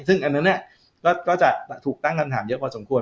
ซึ่งอันนั้นก็จะถูกตั้งคำถามเยอะพอสมควร